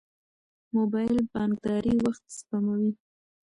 موبایل بانکداري وخت سپموي.